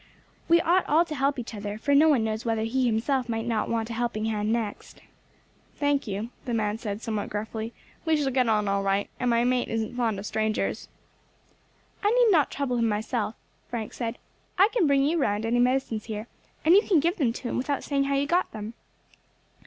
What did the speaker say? We ought all to help each other, for no one knows whether he himself may not want a helping hand next." "Thank you," the man said, somewhat gruffly; "we shall get on all right, and my mate isn't fond of strangers." "I need not trouble him myself," Frank said; "I can bring you round any medicines here, and you can give them to him without saying how you got them."